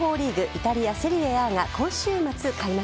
イタリア・セリエＡが今週末、開幕。